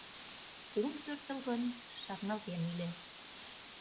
Ом пӧртыл гын, шарналтен иле.